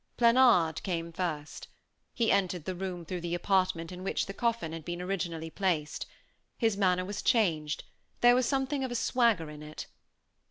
Planard came first. He entered the room through the apartment in which the coffin had been originally placed. His manner was changed; there was something of a swagger in it.